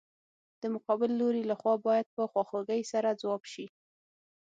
د مقابل لوري له خوا باید په خواخوږۍ سره ځواب شي.